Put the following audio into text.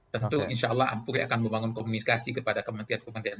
tentu insyaallah ampuri akan membangun komunikasi kepada kementerian kementerian